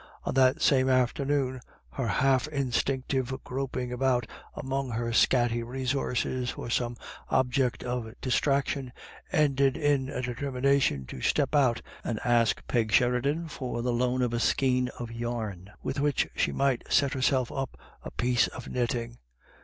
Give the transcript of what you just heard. On that same afternoon, her half instinctive groping about among her scanty resources for some object of distraction, ended in a determination to step out and ask Peg Sheridan for the loan of a skein of yarn, with which she might set herself up a piece of knitting.